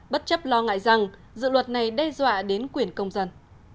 bất chấp lo ngại rằng dự luật này đe dọa đến quyền công dân